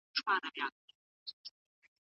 په هغه وخت کي ښوونځي ته تګ اسان نه وو.